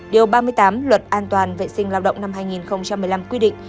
điều ba mươi tám luật an toàn vệ sinh lao động năm hai nghìn một mươi năm quy định